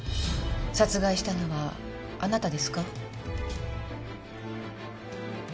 殺害したのはあなたですか？